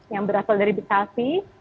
yang berasal dari bikasi